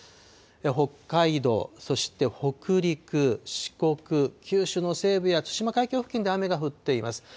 北海道、そして北陸、四国、九州の西部やつしま海峡付近で雨が降っています。